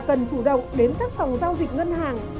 cần chủ động đến các phòng giao dịch ngân hàng